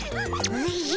おじゃ。